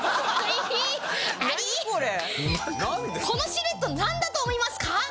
このシルエットなんだと思いますか？